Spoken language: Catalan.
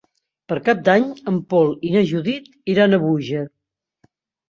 Per Cap d'Any en Pol i na Judit iran a Búger.